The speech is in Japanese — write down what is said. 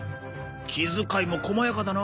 気遣いも細やかだな。